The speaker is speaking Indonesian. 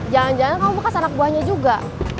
jangan jangan kamu bekas anak buahnya juga